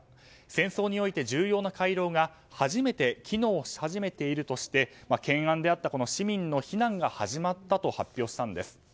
戦争において重要な回廊が初めて機能し始めているとして懸案であった市民の避難が始まったと発表したんです。